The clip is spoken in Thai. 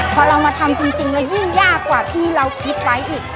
พอเรามาทำจริงแล้วยิ่งยากกว่าที่เราคิดไว้อีก